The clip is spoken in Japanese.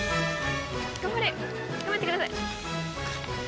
頑張れ！頑張ってください！